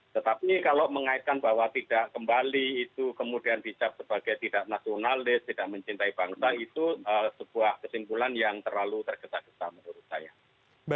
tetapi kalau mengaitkan bahwa tidak kembali itu kemudian dicap sebagai tidak nasionalis tidak mencintai bangsa itu sebuah kesimpulan yang terlalu tergesa gesa menurut saya